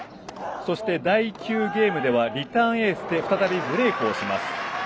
そして第９ゲームではリターンエースで再びブレークします。